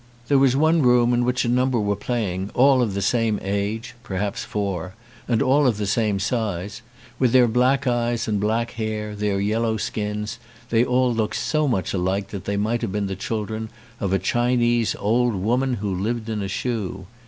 There was one room in which a number were playing, all of the same age, perhaps four, and all of the same size ; with their black eyes and black hair, their yellow skins, they all looked so much alike that they might have been the children of a Chinese Old Woman who lived in a Shoe.